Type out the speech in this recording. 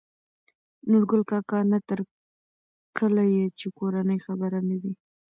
نورګل کاکا : نه تر کله يې چې کورنۍ خبره نه وي